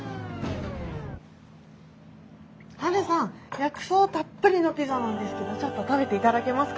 薬草たっぷりのピザなんですけどちょっと食べていただけますか？